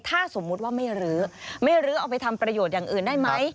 ถ้าสมมุติว่าไม่รื้อไม่ลื้อเอาไปทำประโยชน์อย่างอื่นได้ไหม